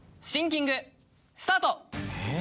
シンキングスタート！